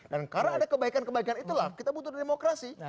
dan karena ada kebaikan kebaikan itulah kita butuh demokrasi